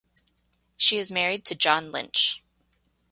She is married to John Lynch.